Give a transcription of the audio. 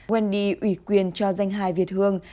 wendy ủy quyền cho danh hài việt hương